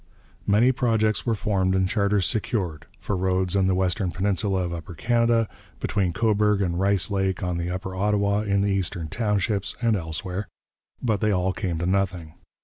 Many projects were formed and charters secured for roads in the western peninsula of Upper Canada, between Cobourg and Rice Lake, on the Upper Ottawa, in the Eastern Townships, and elsewhere but they all came to nothing.